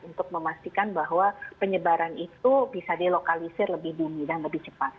untuk memastikan bahwa penyebaran itu bisa dilokalisir lebih bumi dan lebih cepat